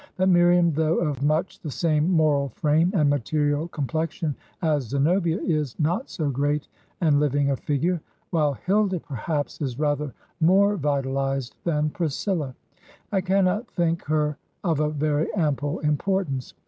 But Miriam, though of much the same moral frame and material complexion as Zenobia, is not so great and living a figure; while Hilda, perhaps, is rather more vitalized than Priscilla. I cannot think her of a very ample importance.